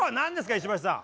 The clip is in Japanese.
石橋さん。